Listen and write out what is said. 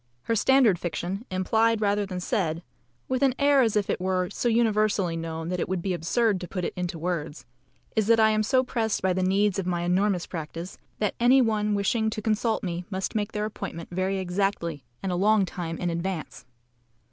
Her standard fiction, implied rather than said (with an air as if it were so universally known that it would be absurd to put it into words) is, that I am so pressed by the needs of my enormous practice, that any one wishing to consult me must make their appointment very exactly and a long time in advance.